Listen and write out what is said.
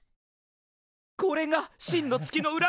これが真の月の裏側か！